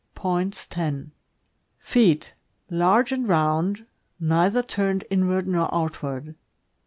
Points, 10. Feet. — Large and round, neither turned inward nor out ward.